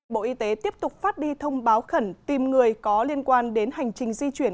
bộ y tế tiếp tục phát đi thông báo khẩn tìm người có liên quan đến hành trình di chuyển